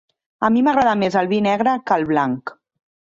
A mi m'agrada més el vi negre que el blanc.